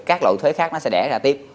các loại thuế khác nó sẽ đẻ ra tiếp